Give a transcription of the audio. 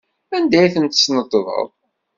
Anda ay tent-tesneṭḍeḍ?